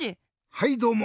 はいどうも！